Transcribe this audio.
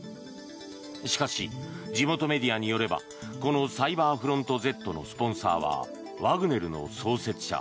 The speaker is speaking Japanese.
しかし、地元メディアによればこのサイバーフロントＺのスポンサーはワグネルの創設者